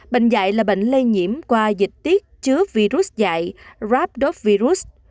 bệnh dạy là bệnh lây nhiễm qua dịch tiết chứa virus dạy rhabdovirus